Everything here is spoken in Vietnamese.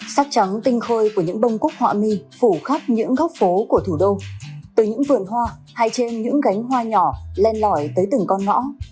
sắc trắng tinh khôi của những bông cúc họa mi phủ khắp những góc phố của thủ đô từ những vườn hoa hay trên những gánh hoa nhỏ len lỏi tới từng con ngõ